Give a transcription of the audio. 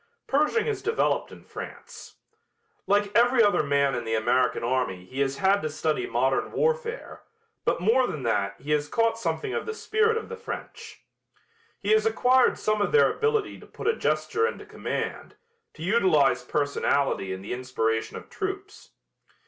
Pershing has developed in France. Like every other man in the American army he has had to study modern warfare, but more than that he has caught something of the spirit of the French. He has acquired some of their ability to put a gesture into command, to utilize personality in the inspiration of troops.